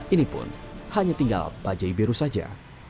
ini pun hanya tinggal bajai biru saja